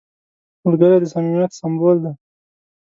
ملګری د صمیمیت سمبول دی